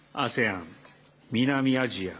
ＡＳＥＡＮ、南アジア、